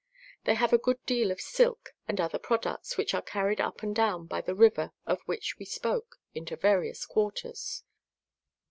They have a good deal of silk and other products which are carried up and down, by the river of which we spoke, into various quarters.'